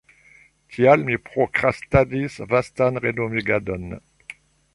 Tial mi prokrastadis vastan renovigadon.